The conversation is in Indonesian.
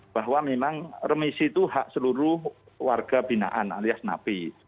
bahwa memang remisi itu hak seluruh warga binaan alias napi